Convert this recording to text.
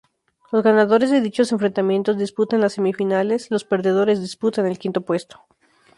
Los ganadores de dichos enfrentamientos disputan las semifinales, los perdedores disputan el quinto puesto.